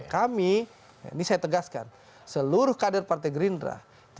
kami ini saya tegaskan seluruh kader partai gerindra